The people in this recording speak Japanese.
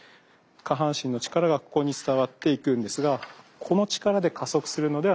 下半身の力がここに伝わっていくんですがこの力で加速するのではないということです。